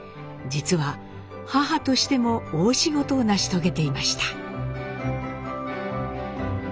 実は母としても大仕事を成し遂げていました。